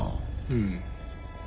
うん。